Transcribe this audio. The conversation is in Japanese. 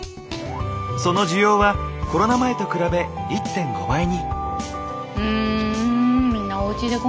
その需要はコロナ前と比べ１．５倍に。